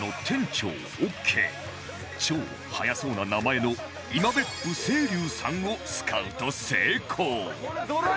超速そうな名前の今別府成龍さんをスカウト成功